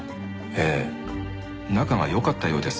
ええ仲が良かったようです。